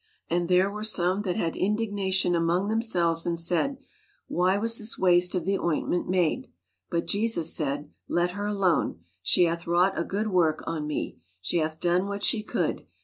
And there were some that had indignation among them selves, and said, Why was this waste of the ointment made? But Jesus said, Let her alone. She hath wrought a good work on me. She hath done what she could.